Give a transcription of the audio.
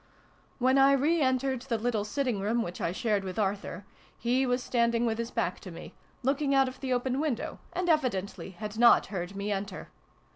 When I re entered the little sitting room which I shared with Arthur, he was standing with his back to me, looking out of the open window, and evidently had not heard me enter.